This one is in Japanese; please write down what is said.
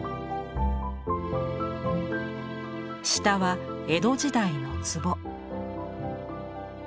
下は江戸時代の壺。